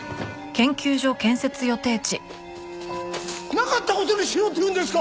なかった事にしろって言うんですか！？